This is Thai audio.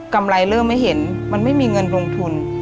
ไรเริ่มไม่เห็นมันไม่มีเงินลงทุน